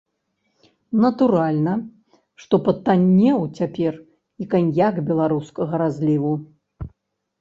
Натуральна, што патаннеў цяпер і каньяк беларускага разліву.